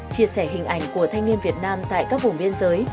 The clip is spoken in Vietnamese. chia sẻ hình ảnh của thanh niên việt nam tại các vùng biên giới